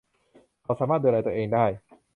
เขาสามารถดูแลตัวเองได้